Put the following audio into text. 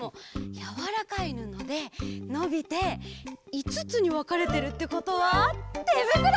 やわらかいぬのでのびていつつにわかれてるってことはてぶくろ！